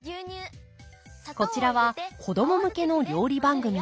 こちらは子供向けの料理番組。